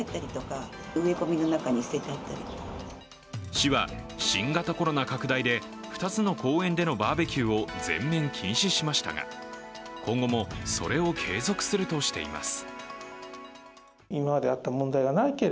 市は新型コロナ拡大で２つの公園でのバーベキューを全面禁止しましたが、今後もそれを継続するとしています。